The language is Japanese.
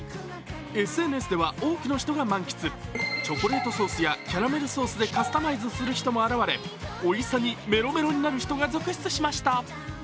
ＳＮＳでは多くの人が満喫、チョコレートソースやキャラメルソースでカスタマイズする人が現れおいしさにメロメロになる人が続出しました。